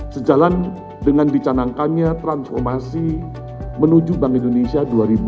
sejalan dengan dicanangkannya transformasi menuju bank indonesia dua ribu dua puluh